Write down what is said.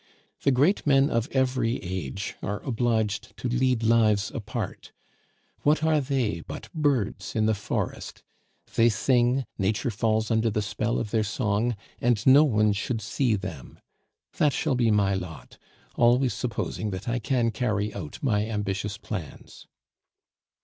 The great men of every age are obliged to lead lives apart. What are they but birds in the forest? They sing, nature falls under the spell of their song, and no one should see them. That shall be my lot, always supposing that I can carry out my ambitious plans.